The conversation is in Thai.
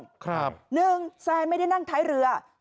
๑แซนไม่ได้นั่งท้ายเรือ